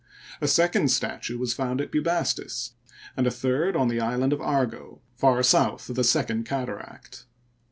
A second statue was found at Bubastis, and a third on the island of Argo, far south of the Second Cataract.